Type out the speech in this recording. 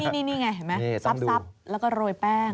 นี่ไงเห็นไหมซับแล้วก็โรยแป้ง